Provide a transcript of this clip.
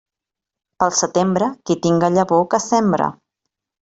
Pel setembre, qui tinga llavor, que sembre.